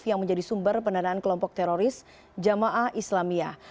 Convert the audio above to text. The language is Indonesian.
yang menjadi sumber pendanaan kelompok teroris jamaah islamiyah